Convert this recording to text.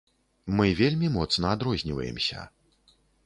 Мы вельмі моцна адрозніваемся.